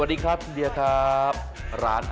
เอาล่ะเดินทางมาถึงในช่วงไฮไลท์ของตลอดกินในวันนี้แล้วนะครับ